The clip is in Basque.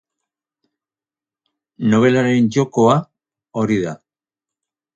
Nobelaren jokoa hori da.